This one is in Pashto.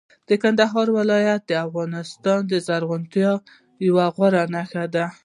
د کندهار ولایت د افغانستان د زرغونتیا یوه غوره نښه ده.